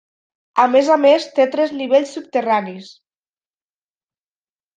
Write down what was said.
A més a més, té tres nivells subterranis.